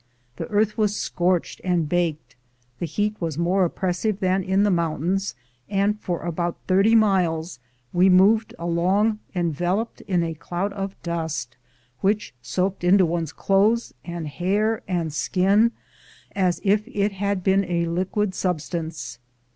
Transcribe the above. The earth was scorched and baked, the heat was more oppressive than in the mountains, and for about thirty miles we moved along enveloped in a cloud of dust, which soaked into one's clothes and hair and skin as if it had been a liquid substance.